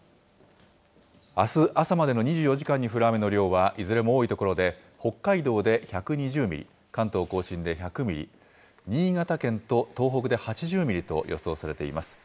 あす朝までの２４時間に降る雨の量は、いずれも多い所で、北海道で１２０ミリ、関東甲信で１００ミリ、新潟県と東北で８０ミリと予想されています。